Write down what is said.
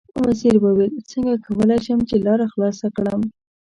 وزیر وویل: څنګه کولای شم چې لاره خلاصه کړم.